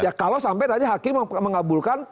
ya kalau sampai tadi hakim mengabulkan